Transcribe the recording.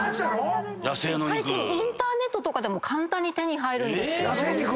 最近インターネットとかでも簡単に手に入るんですけれど。